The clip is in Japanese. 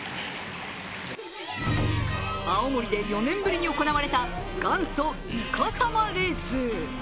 青森で４年ぶりに行われた元祖烏賊様レース。